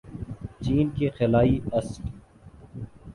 چین کے خلائی اسٹ